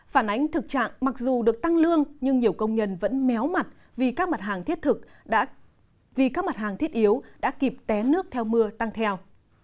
phản ánh thực trạng mặc dù được tăng lương nhưng nhiều công nhân vẫn méo mặt vì các mặt hàng thiết yếu đã kịp té nước theo mưa tăng theo